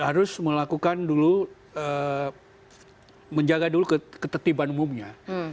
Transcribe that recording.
harus melakukan dulu menjaga dulu ketertiban umumnya